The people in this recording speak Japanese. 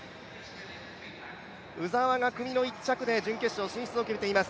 鵜澤が組の１着で準決勝進出を決めています。